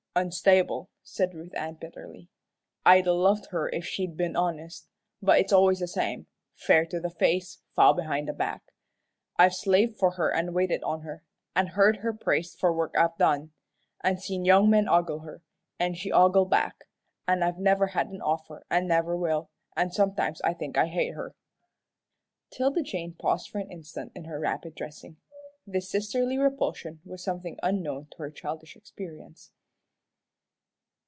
"Unstable," said Ruth Ann, bitterly. "I'd 'a' loved her if she'd been honest, but it's always the same, fair to the face, foul behind the back. I've slaved for her an' waited on her, an' heard her praised for work I've done, and seen young men oggle her, an' she oggle back, an' I've never had an offer an' never will, an' sometimes I think I hate her." 'Tilda Jane paused for an instant in her rapid dressing. This sisterly repulsion was something unknown to her childish experience.